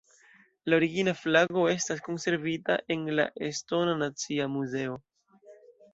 La origina flago estas konservita en la estona nacia muzeo.